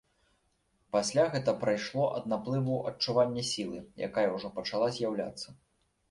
Пасля гэта прайшло ад наплыву адчування сілы, якая ўжо пачала з'яўляцца.